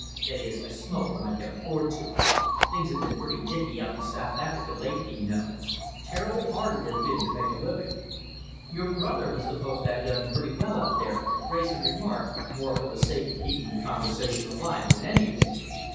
"That is, I smoke when I can afford to. Things have been pretty dicky out in South Africa lately, you know. Terrible hard it has been to make a living." "Your brother was supposed to have done pretty well out there," Wrayson remarked, more for the sake of keeping the conversation alive than anything.